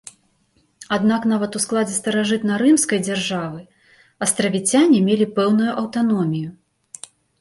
Аднак нават у складзе старажытнарымскай дзяржавы астравіцяне мелі пэўную аўтаномію.